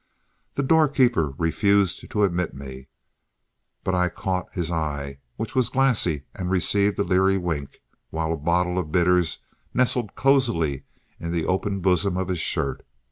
The doorkeeper refused to admit me, but I caught his eye, which was glassy, and received a leery wink, while a bottle of bitters nestled cosily in the open bosom of his shirt.